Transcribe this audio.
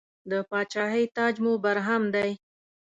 د پاچاهۍ تاج مو برهم دی.